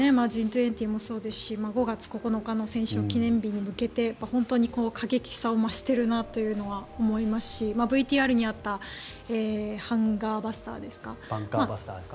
Ｇ２０もそうですし５月９日の戦勝記念日に向けて本当に過激さを増しているなというのは思いますしＶＴＲにあったバンカーバスターですか。